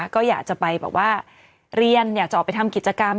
ก็อยากจะไปแบบว่าเรียนอยากจะออกไปทำกิจกรรม